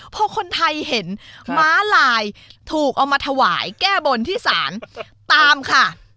พอคนไทยเห็นม้าลายถูกเอามาถวายแก้บนที่ศาลตามค่ะ